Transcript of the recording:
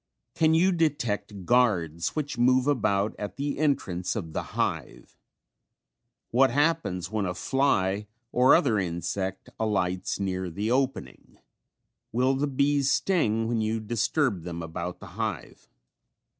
Can you detect guards which move about at the entrance of the hive? What happens when a fly or other insect alights near the opening? Will the bees sting when you disturb them about the hive?